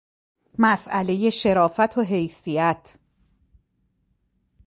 مسئلهٔ شرافت و حیثیت